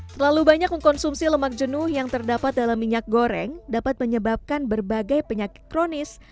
terlalu banyak mengkonsumsi lemak jenuh yang terdapat dalam minyak goreng dapat menyebabkan berbagai penyakit kronis